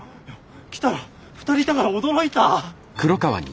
来たら２人いたから驚いた。